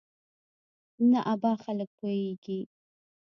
نه ابا خلک پوېېږي.